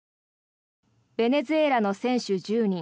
ベネズエラの選手１０人